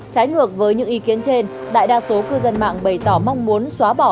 trái ngược với những ý kiến trên đại đa số cư dân mạng bày tỏ mong muốn xóa bỏ